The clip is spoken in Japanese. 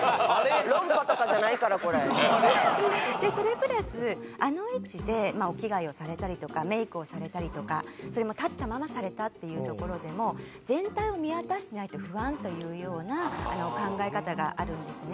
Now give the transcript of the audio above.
それプラスあの位置でお着替えをされたりとかメイクをされたりとかそれも立ったままされたっていうところでも全体を見渡していないと不安というような考え方があるんですね。